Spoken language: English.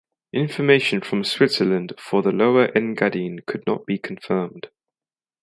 Information from Switzerland for the Lower Engadine could not be confirmed.